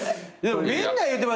みんな言うてますよ。